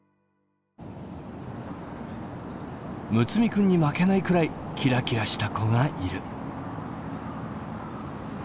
睦弥君に負けないくらいキラキラした子がいる。